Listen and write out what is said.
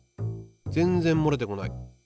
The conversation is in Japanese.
全然もれてこない！